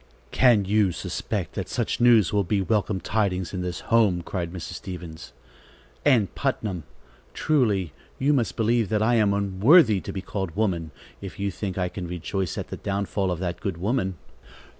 "Can you suspect that such news will be welcome tidings in this home?" cried Mrs. Stevens. "Ann Putnam, truly you must believe that I am unworthy to be called woman, if you think I can rejoice at the downfall of that good woman."